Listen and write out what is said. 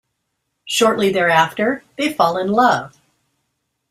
Shortly thereafter, they fall in love.